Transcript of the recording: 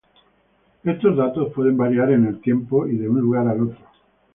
Estos datos pueden variar en el tiempo y de un lugar al otro.